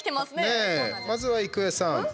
まずは郁恵さん。